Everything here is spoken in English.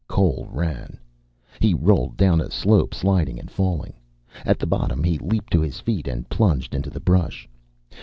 Cole ran. He rolled down a slope, sliding and falling. At the bottom he leaped to his feet and plunged into the brush.